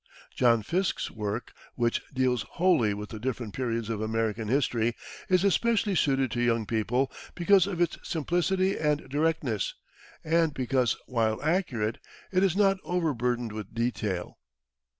John Fiske's work, which deals wholly with the different periods of American history, is especially suited to young people because of its simplicity and directness, and because, while accurate, it is not overburdened with detail.